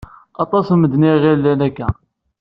Aṭas n medden i iɣillen akka.